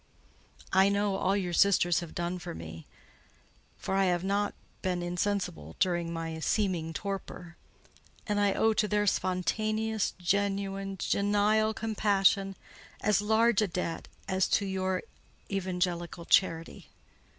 I know all your sisters have done for me since—for I have not been insensible during my seeming torpor—and I owe to their spontaneous, genuine, genial compassion as large a debt as to your evangelical charity."